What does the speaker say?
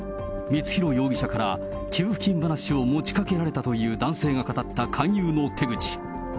光弘容疑者から給付金話を持ちかけられたという男性が語った勧誘の手口。